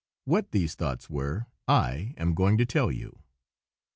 What these thoughts were I am going to tell you.